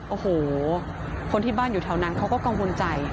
โอ้โหคนที่บ้านอยู่แถวนั้นเขาก็กังวลใจ